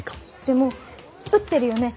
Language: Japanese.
でも売ってるよね